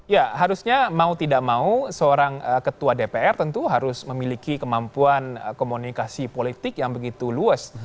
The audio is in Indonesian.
ya harusnya mau tidak mau seorang ketua dpr tentu harus memiliki kemampuan komunikasi politik yang begitu luas